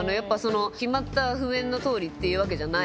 決まった譜面のとおりっていうわけじゃないので。